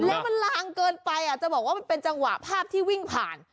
แล้วมันลางเกินไปจะบอกว่ามันเป็นจังหวะภาพที่วิ่งผ่าน